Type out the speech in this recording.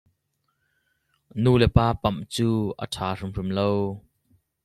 Nulepa pamh cu a ṭha hrimhrim lo.